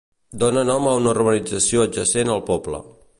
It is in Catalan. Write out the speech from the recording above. Dóna nom a una urbanització adjacent al poble.